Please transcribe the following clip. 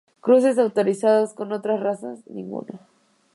Cruces autorizados con otras razas: ninguno.